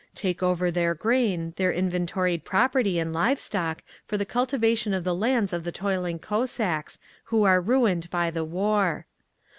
Take over their grain, their inventoried property and live stock for the cultivation of the lands of the toiling Cossacks, who are ruined by the war.